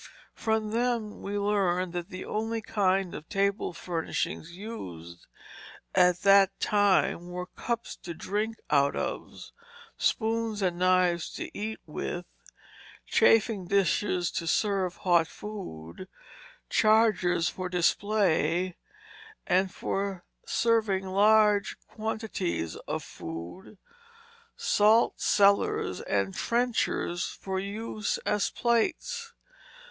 From them we learn that the only kind of table furnishings used at that time were cups to drink out of; spoons and knives to eat with; chafing dishes to serve hot food; chargers for display and for serving large quantities of food; salt cellars, and trenchers for use as plates.